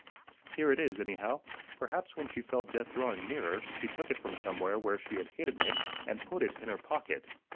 Here it is, anyhow. Perhaps when she felt death drawing nearer, she took it from somewhere where she had hidden it, and put it in her pocket.